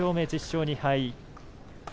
１０勝２敗。